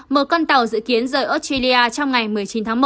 một con tàu dự kiến rời australia trong ngày một mươi chín tháng một